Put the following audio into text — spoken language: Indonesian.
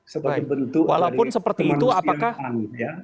sebagai bentuk dari kemanusiaan